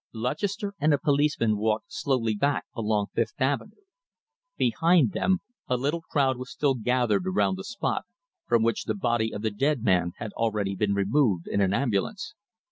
Lutchester and a policeman walked slowly back along Fifth Avenue. Behind them, a little crowd was still gathered around the spot from which the body of the dead man had already been removed in an ambulance.